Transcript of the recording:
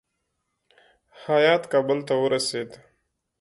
هیات کابل ته ورسېد.